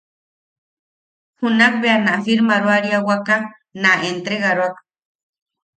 Junak bea na firmaroariawaka na entregaroak.